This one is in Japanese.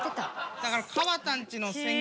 だから。